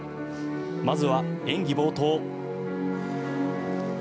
まずは演技冒頭。